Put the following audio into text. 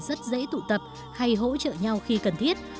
rất dễ tụ tập hay hỗ trợ nhau khi cần thiết